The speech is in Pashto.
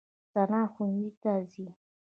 ثنا ښوونځي ته ځي.